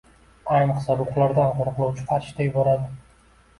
ayniqsa ruhlardan qo‘riqlovchi farishta yuboradi.